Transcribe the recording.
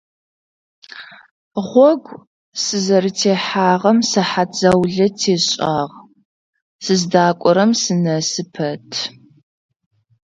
Гъогу сызэрытехьагъэм сыхьат заулэ тешӀагъ, сыздакӀорэм сынэсы пэт.